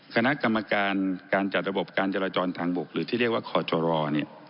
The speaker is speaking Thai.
คณะกรรมการการจัดระบบการจราจรทางบกหรือที่เรียกว่าคอจร